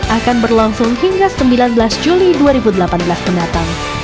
akan berlangsung hingga sembilan belas juli dua ribu delapan belas pendatang